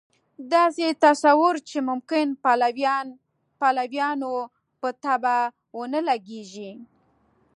داسې تصویر چې ممکن پلویانو په طبع ونه لګېږي.